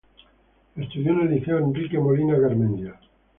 Estudió en el Liceo Enrique Molina Garmendia.